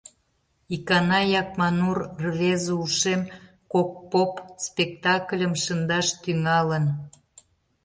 Икана Якманур рвезе ушем «Кок поп» спектакльым шындаш тӱҥалын.